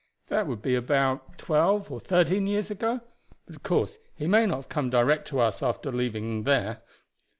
That would be about twelve or thirteen years ago; but, of course, he may not have come direct to us after leaving here."